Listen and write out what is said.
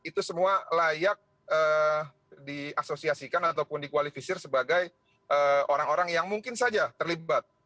itu semua layak diasosiasikan ataupun dikualifikasi sebagai orang orang yang mungkin saja terlibat